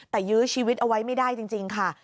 แต่ยื้อชีวิตเอาไว้ไม่ได้จริงค่ะ